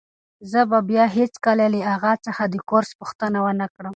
زه به بیا هیڅکله له اغا څخه د کورس پوښتنه ونه کړم.